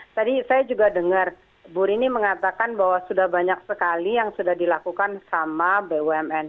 tadi saya juga dengar bu rini mengatakan bahwa sudah banyak sekali yang sudah dilakukan sama bumn